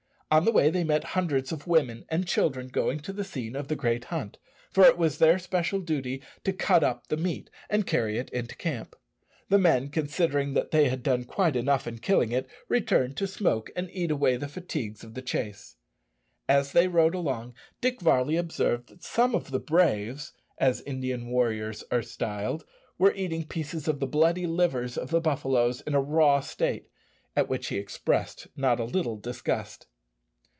On the way they met hundreds of women and children going to the scene of the great hunt, for it was their special duty to cut up the meat and carry it into camp. The men, considering that they had done quite enough in killing it, returned to smoke and eat away the fatigues of the chase. As they rode along, Dick Varley observed that some of the "braves," as Indian warriors are styled, were eating pieces of the bloody livers of the buffaloes in a raw state, at which he expressed not a little disgust.